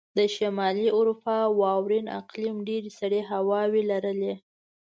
د شمالي اروپا واورین اقلیم ډېرې سړې هواوې لرلې.